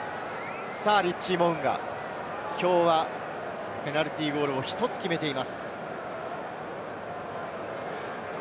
リッチー・モウンガ、きょうはペナルティーゴールを１つ決めています。